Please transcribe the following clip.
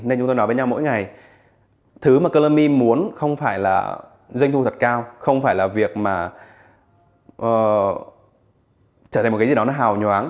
nên chúng tôi nói với nhau mỗi ngày thứ mà collami muốn không phải là doanh thu thật cao không phải là việc mà trở thành một cái gì đó nó hào nhoáng